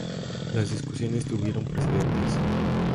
Las discusiones tuvieron precedentes.